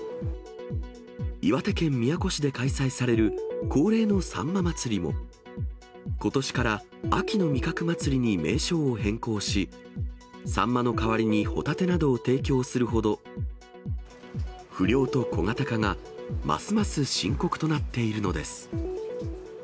岩手県宮古市で開催される恒例のサンマまつりも、ことしから秋の味覚祭りに名称を変更し、サンマの代わりにホタテなどを提供するほど、不漁と小型化が、ますます深刻となっているのです。